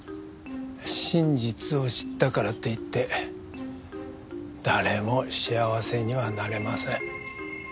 真実を知ったからといって誰も幸せにはなれません。